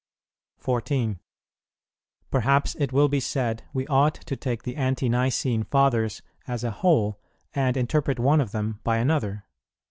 14. Perhaps it will be said we ought to take the Ante nicene Fathers as a whole, and interpret one of them by another.